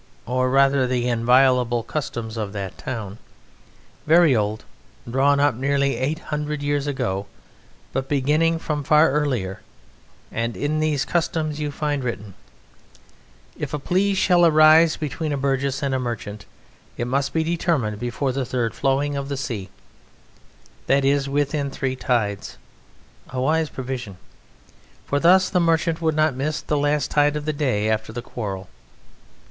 Or, rather, the inviolable Customs of that town, very old, drawn up nearly eight hundred years ago, but beginning from far earlier; and in these customs you find written: "If a plea shall arise between a burgess and a merchant it must be determined before the third flowing of the sea" that is, within three tides; a wise provision! For thus the merchant would not miss the last tide of the day after the quarrel.